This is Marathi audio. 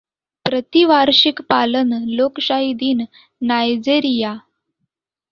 प्रतिवार्षिक पालन लोकशाही दिन नायजेरिया.